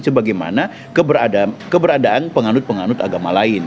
sebagaimana keberadaan penganut penganut agama lain